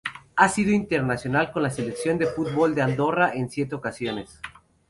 Ha sido internacional con la Selección de fútbol de Andorra en siete ocasiones.